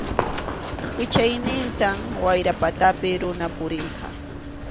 Wichaynintam wayra patapi runa purinqa.